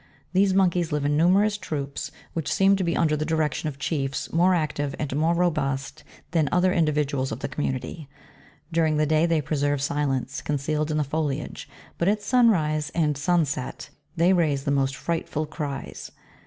These monkeys live in numerous troops, which seem to be under the direction of chiefs, more active and more robust than other individuals of the community ; during the day they preserve silence, concealed in the foliage, but at sunrise and sunset, they raise the most frightful cries.